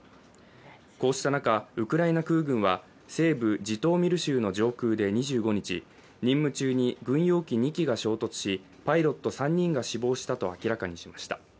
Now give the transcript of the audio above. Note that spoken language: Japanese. こうした中、ウクライナ空軍は西部ジトーミル州の上空で２５日、任務中に軍用機２機が衝突しパイロット３人が死亡したと明らかにしました。